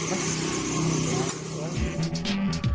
อ้าว